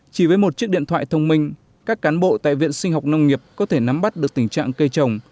chỉ với một chiếc điện thoại thông minh các cán bộ tại viện sinh học nông nghiệp có thể nắm bắt được tình trạng cây trồng